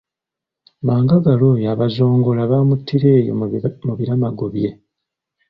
Mangagala oyo Abazongola baamuttira eyo mu biramago bye.